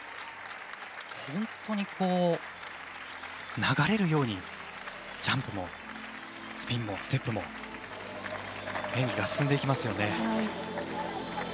本当に流れるようにジャンプも、スピンもステップも演技が進んでいきますよね。